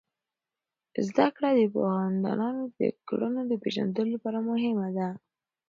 زده کړه د پوهاندانو د کړنو د پیژندلو لپاره مهم دی.